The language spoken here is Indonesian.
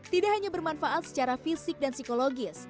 tidak hanya bermanfaat secara fisik dan psikologis